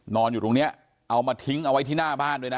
อยู่ตรงนี้เอามาทิ้งเอาไว้ที่หน้าบ้านด้วยนะ